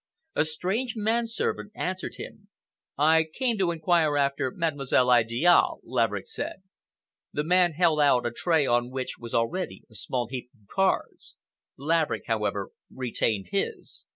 A strange man servant answered him. "I came to inquire after Mademoiselle Idiale," Laverick said. The man held out a tray on which was already a small heap of cards. Laverick, however, retained his.